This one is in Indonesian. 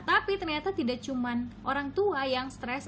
tapi ternyata tidak cuma orang tua yang stres